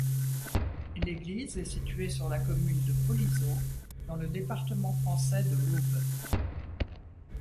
L'église est située sur la commune de Polisot, dans le département français de l'Aube.